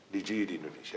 di jee di indonesia